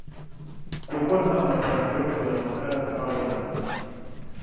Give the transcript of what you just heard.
kuko nta mafaranga yo kugura amakara twabonaga